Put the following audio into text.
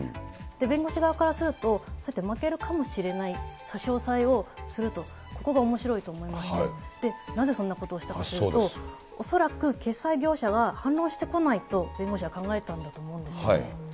弁護士側からすると、そうやって負けるかもしれない差し押さえをすると、ここがおもしろいと思いまして、なぜそんなことをしたかというと、恐らく、決済業者は反論してこないと弁護士は考えたんだと思うんですよね。